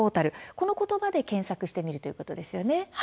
この言葉で検索してみるということですね。